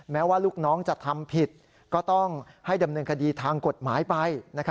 แม้ว่าลูกน้องจะทำผิดก็ต้องให้ดำเนินคดีทางกฎหมายไป